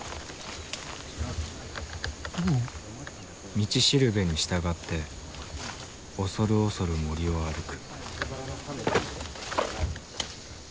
道しるべに従って恐る恐る森を歩く。